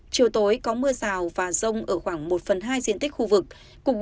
chiều tối có mưa rào và rông ở khoảng một phần hai diện tích khu vực